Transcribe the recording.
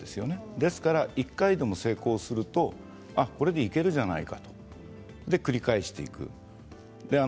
ですから１回でも成功するとこれでいけるじゃないかと繰り返していく。